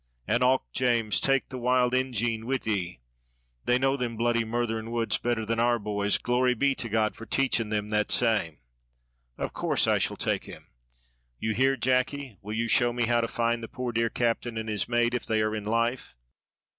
"An' och, James, take the wild Ingine wid ye; they know them bloody, murthering woods better than our boys, glory be to God for taching them that same." "Of course I shall take him. You hear, Jacky, will you show me how to find the poor dear captain and his mate if they are in life?"